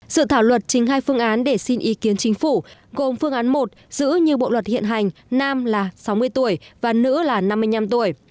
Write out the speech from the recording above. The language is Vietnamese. sự thảo luật trình hai phương án để xin ý kiến chính phủ gồm phương án một giữ như bộ luật hiện hành nam là sáu mươi tuổi và nữ là năm mươi năm tuổi